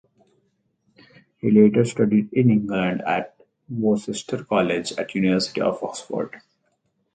He later studied in England at Worcester College at the University of Oxford.